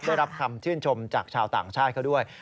ได้รับคำชื่นชมจากชาวต่างชาติเขาด้วย